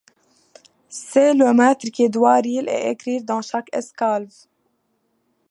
C'est le maître qui doit lire et écrire dans chaque esclave.